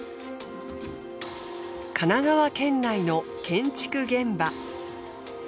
神奈川県内の建築現場。